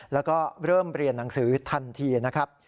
แล้วก็เริ่มเรียนหนังสือทันทีนะครับ